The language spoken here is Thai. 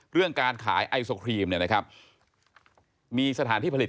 เรื่องการขายไอซะครีมมีสถานที่ผลิต